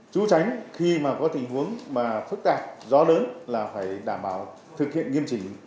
chú tránh khi mà có tình huống mà phức tạp gió lớn là phải đảm bảo thực hiện nghiêm chỉnh